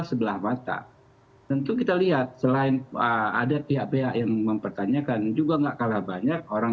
sebelah mata tentu kita lihat selain ada pihak pihak yang mempertanyakan juga enggak kalah banyak orang